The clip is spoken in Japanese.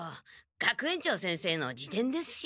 学園長先生の自伝ですし。